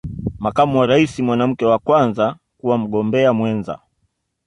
Makamu wa rais mwanamke wa Kwanza kuwa Mgombea Mwenza